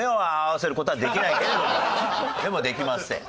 でもできません。